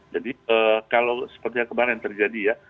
jadi kalau seperti yang kemarin terjadi ya